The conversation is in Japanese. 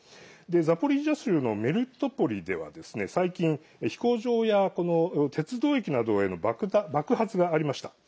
ザポリージャ州のメリトポリでは最近、飛行場や鉄道駅などへの爆発がありました。